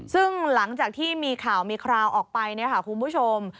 ซึ่งหลังจากที่มีข่าวมีคราวออกไปเนี่ยค่ะคุณผู้ชม